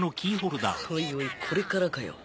おいおいこれからかよ